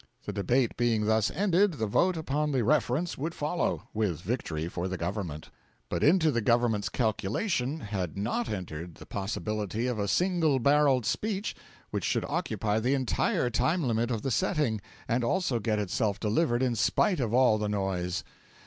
The debate being thus ended, the vote upon the reference would follow with victory for the Government. But into the Government's calculations had not entered the possibility of a single barrelled speech which should occupy the entire time limit of the setting, and also get itself delivered in spite of all the noise.